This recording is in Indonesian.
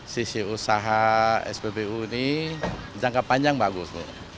sisi usaha spbu ini jangka panjang bagus